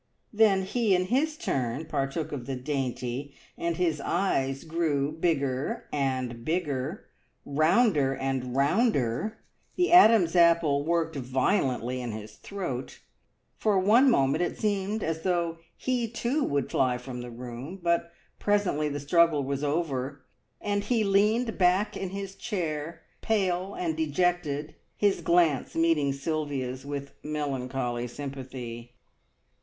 Then he in his turn partook of the dainty, and his eyes grew bigger and bigger, rounder and rounder, the Adam's apple worked violently in his throat. For one moment it seemed as though he too would fly from the room, but presently the struggle was over, and he leaned back in his chair, pale and dejected, his glance meeting Sylvia's with melancholy sympathy.